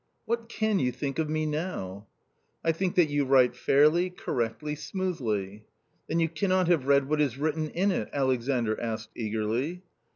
" What can you think of me now ?"" I think that you write fairly, correctly, smoothly." " Then you cannot have read what is written in it ?" Alexandr asked eagerly.